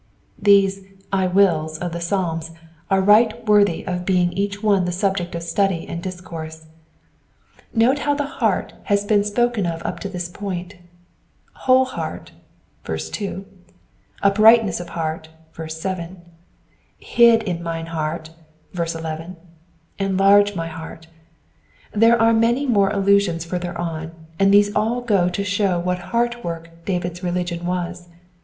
These *' 1 wills" of the Psalms are right worthy of being each one the subject of study and discourse. Note how the heart has been spoken of up to this point :'* whole heart" (2), uprightness of heart" (7), *'hid in mine heart" (11), "enlarge my heart." There are many more allusions further on, and these all go to show what heart work David's religion was.